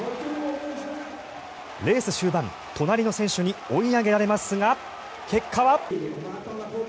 レース終盤隣の選手に追い上げられますが結果は。